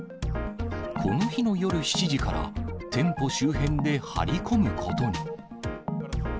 この日の夜７時から、店舗周辺で張り込むことに。